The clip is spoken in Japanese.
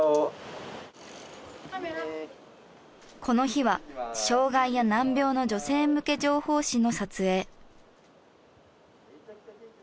この日は障害や難病の女性向け情報誌の撮影。